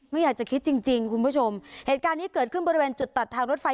ไม่อยากจะคิดจริงจริงคุณผู้ชมเหตุการณ์นี้เกิดขึ้นบริเวณจุดตัดทางรถไฟ